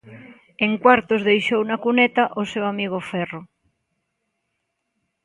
En cuartos deixou na cuneta o seu amigo Ferro.